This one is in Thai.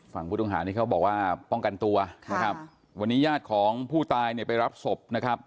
ฟังผู้ต้องหาที่เขาบอกว่าป้องกันตัววันนี้ญาติของผู้ตายไปรับศพ